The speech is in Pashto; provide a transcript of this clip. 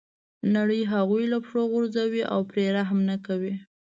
نړۍ هغوی له پښو غورځوي او پرې رحم نه کوي.